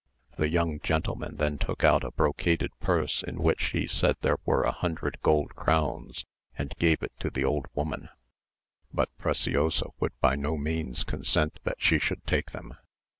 The young gentleman then took out a brocaded purse in which he said there were a hundred gold crowns, and gave it to the old woman; but Preciosa would by no means consent that she should take them.